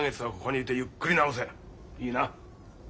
いいな？